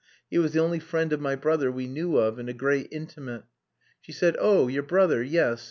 He was the only friend of my brother we knew of, and a great intimate. She said, 'Oh! Your brother yes.